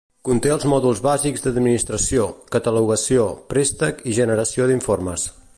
Conté els mòduls bàsics d'administració, catalogació, préstec i generació d'informes.